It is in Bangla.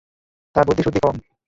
তার বুদ্ধি-সুদ্ধি কম।